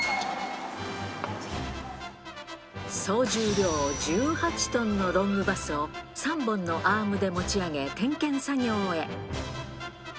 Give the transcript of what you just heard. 総重量１８トンのロングバスを、３本のアームで持ち上げ、点検作業へ。